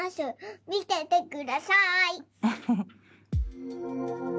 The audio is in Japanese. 見ててください！